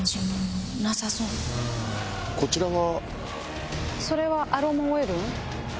こちらは？